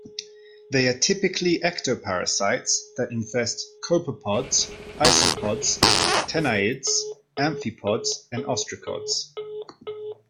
They are typically ectoparasites that infest copepods, isopods, tanaids, amphipods and ostracods.